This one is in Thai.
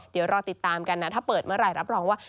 เดี๋ยวรอติดตามกันนะถ้าเปิดเมื่อไหร่รับรองว่า